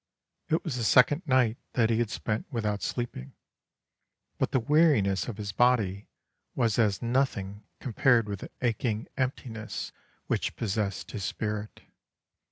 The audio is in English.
It was the second night that he had spent without sleeping, but the weariness of his body was as nothing compared with the aching emptiness which possessed his spirit.